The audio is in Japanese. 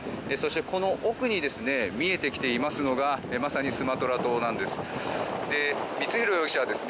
この奥に見えてきていますのがまさにスマトラ島なんです。